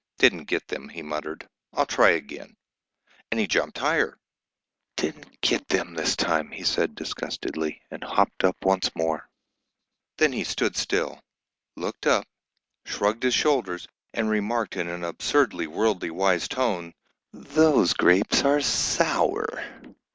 "Didn't get them," he muttered, "I'll try again," and he jumped higher. "Didn't get them this time," he said disgustedly, and hopped up once more. Then he stood still, looked up, shrugged his shoulders, and remarked in an absurdly worldly wise tone, "Those grapes are sour!"